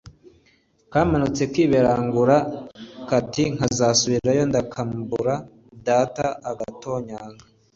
kamanutse kibarangura kati nkazasubirayo ndakambura data-agatonyanga.